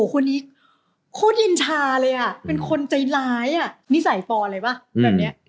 คนนี้โคตรยินชาเลยอ่ะเป็นคนใจร้ายอ่ะนิสัยปอลเลยป่ะอืม